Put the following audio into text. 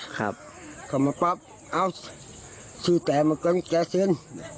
เข้ามาปั๊บเอาชื่อแต่มันก็ไม่แก้ซึ้น